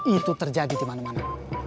itu terjadi dimana mana